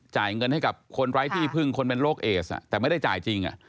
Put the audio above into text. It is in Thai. จ่ายเงินให้กับคนไร้ที่พึ่งคนเป็นโรคเอสแต่ไม่ได้จ่ายจริง